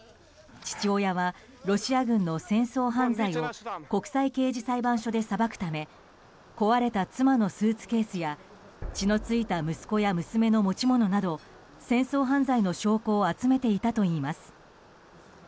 父親は、ロシア軍の戦争犯罪を国際刑事裁判所で裁くため壊れた妻のスーツケースや血の付いた息子や娘の持ち物など戦争犯罪の証拠を集めていたといいます。